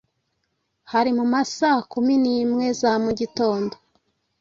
Hari mu ma saa kumi n’imwe za mugitondo